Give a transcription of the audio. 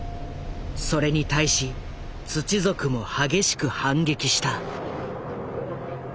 それに対しツチ族も激しく反撃した。